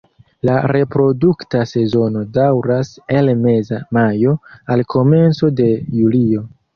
La reprodukta sezono daŭras el meza majo al komenco de julio.